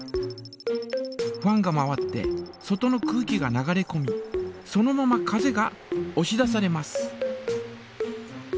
ファンが回って外の空気が流れこみそのまま風がおし出されます。